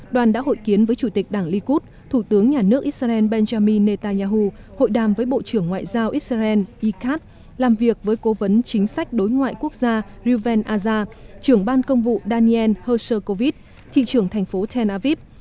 đoàn đã hội kiến với chủ tịch đảng likud thủ tướng nhà nước israel benjamin netanyahu hội đàm với bộ trưởng ngoại giao israel ikat làm việc với cố vấn chính sách đối ngoại quốc gia reuven aza trưởng ban công vụ daniel hershkovit thị trường thành phố tenaviv